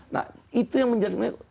nah itu yang menjadi